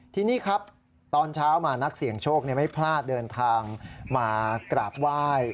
ทีนี้ครับตอนเช้ามานักเสี่ยงโชคไม่พลาดเดินทางมากราบไหว้